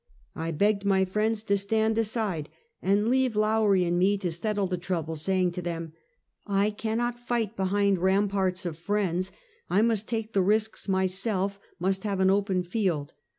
I begged my friends to stand aside and leave Lowrie and me to settle the trouble, saying to them: " I cannot fight behind ramparts of friends. I must take the risks myself, must have an open field.